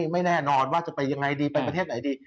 แน่นอนว่าจะไปยังไงดีไปประเทศไหนดี